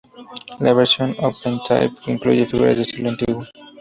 La versión OpenType incluye figuras de estilo antiguo.